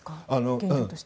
現状として。